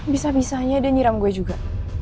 bisa bisanya dia nyiram gue juga